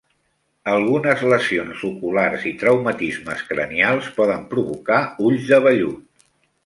Algunes lesions oculars i traumatismes cranials poden provocar ulls de vellut.